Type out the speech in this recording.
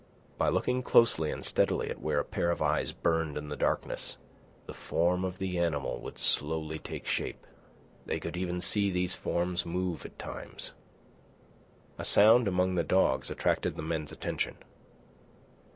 By looking closely and steadily at where a pair of eyes burned in the darkness, the form of the animal would slowly take shape. They could even see these forms move at times. A sound among the dogs attracted the men's attention.